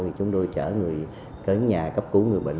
thì chúng tôi chở người tới nhà cấp cứu người bệnh